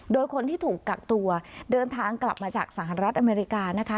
โดยคนที่ถูกกักตัวเดินทางกลับมาจากสหรัฐอเมริกานะคะ